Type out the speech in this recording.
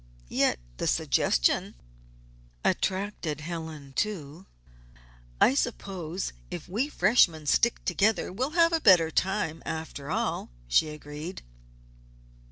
Yet the suggestion attracted Helen, too. "I suppose if we freshmen stick together we'll have a better time, after all," she agreed.